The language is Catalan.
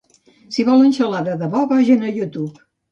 Si volen xalar de debò, vagin a YouTube.